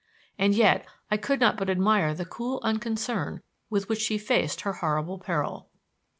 And yet I could not but admire the cool unconcern with which she faced her horrible peril.